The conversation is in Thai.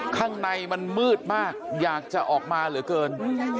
ข้างในมันมืดมากอยากจะออกมาเหลือเกิน